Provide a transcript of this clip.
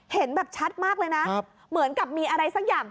เห็นแบบชัดมากเลยนะเหมือนกับมีอะไรสักอย่าง